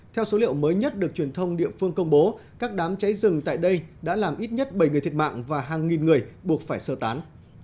theo số liệu mới nhất được truyền thông địa phương công bố các đám cháy rừng tại đây đã làm ít nhất bảy người thiệt mạng và hàng nghìn người buộc phải sơ tán